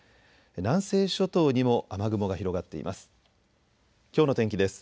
南西諸島にも雨雲が広がっています。